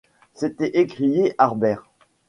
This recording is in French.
s’était écrié Harbert.